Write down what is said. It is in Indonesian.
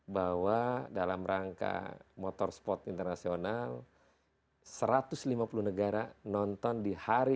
bahwa dalam rangka motorsport internasional satu ratus lima puluh negara nonton di hari